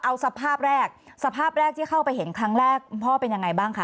เอาสภาพแรกสภาพแรกที่เข้าไปเห็นครั้งแรกพ่อเป็นยังไงบ้างคะ